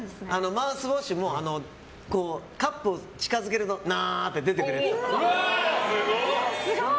マウスウォッシュもカップを近づけるとナーって出てくるやつ。